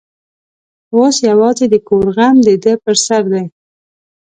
اوس یوازې د کور غم د ده پر سر دی.